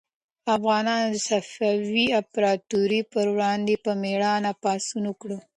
افغانانو د صفوي امپراطورۍ پر وړاندې په مېړانه پاڅون وکړ.